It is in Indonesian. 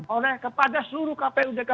oleh kepada seluruh kpu dkpu dgpu dan dgpu